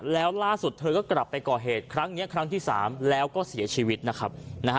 แล้วล่าสุดเธอก็กลับไปก่อเหตุครั้งนี้ครั้งที่๓แล้วก็เสียชีวิตนะครับ